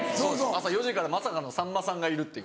朝４時からまさかのさんまさんがいるっていう。